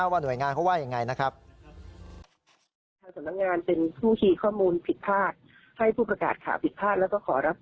ว่าหน่วยงานเขาว่ายังไงนะครับ